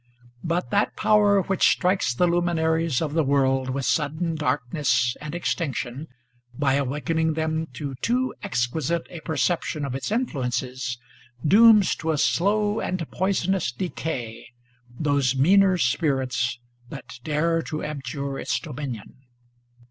But that Power, which strikes the luminaries of the world with sudden darkness and extinction by awakening them to too exqiiisite a perception of its influences, dooms to a slow and poisonous decay those meaner spirits that dare to abjure its dominion.